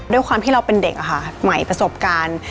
ด้วยความที่เราเป็นเด็กค่ะใหม่ประสบการณ์